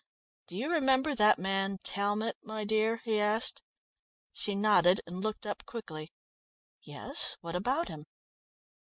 "Do you remember that man Talmot, my dear?" he asked. She nodded, and looked up quickly. "Yes, what about him?"